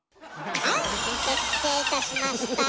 はい決定いたしました！